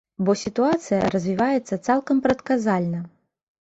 Бо сітуацыя развіваецца цалкам прадказальна.